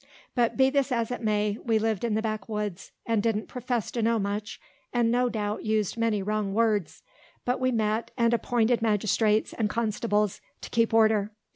But be this as it may, we lived in the back woods, and didn't profess to know much, and no doubt used many wrong words. But we met, and appointed magistrates and constables to keep order.